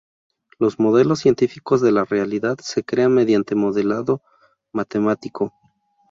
Los modelos científicos de la realidad se crean mediante modelado matemático.